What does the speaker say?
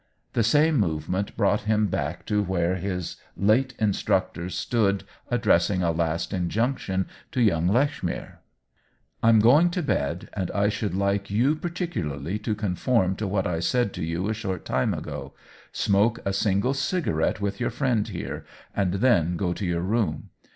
The same movement brought him back to where his late instructor stood addressing a last injunction to young Lechmere. " I*m going to bed, and I should like you particularly to conform to what I said to you a short time ago. Smoke a single cigarette with your friend here, and then go to your room.